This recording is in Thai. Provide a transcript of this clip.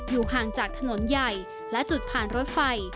ห่างจากถนนใหญ่และจุดผ่านรถไฟ